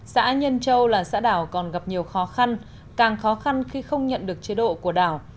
xã nhân châu là xã đảo còn gặp nhiều khó khăn càng khó khăn khi không nhận được chế độ của đảo